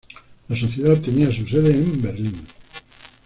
La Sociedad tenía su sede en Berlín.